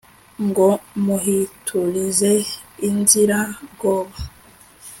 ngo muhiturize inzirabwoba